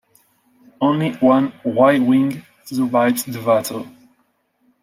Only one Y-wing survives the battle.